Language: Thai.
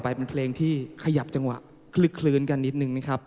ไปเขยับจังหวะคลึกคลืนกันนิดหนึ่งนะครับ